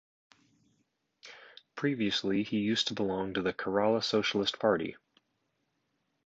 Previously he used to belong to the Kerala Socialist Party.